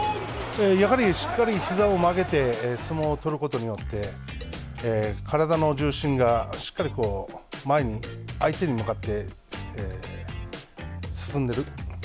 やはりしっかりひざを曲げて相撲を取ることによって、体の重心がしっかり前に、相手に向かって進んでいる。